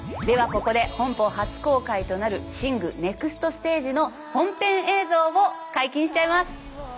ではここで本邦初公開となる『ＳＩＮＧ／シング：ネクストステージ』の本編映像を解禁しちゃいます。